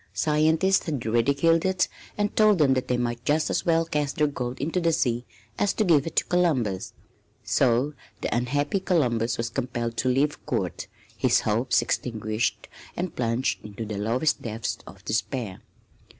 Scientists had ridiculed it and told them that they might just as well cast their gold into the sea as to give it to Columbus. So the unhappy Columbus was compelled to leave Court, his hopes extinguished and plunged into the lowest depths of despair.